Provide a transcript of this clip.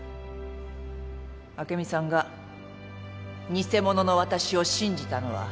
朱美さんが偽者の私を信じたのは。